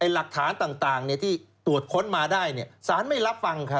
หลักฐานต่างที่ตรวจค้นมาได้สารไม่รับฟัง